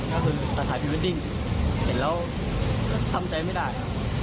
ก็คือถ่ายพิเมตติ้งเห็นแล้วทำแต่ไม่ได้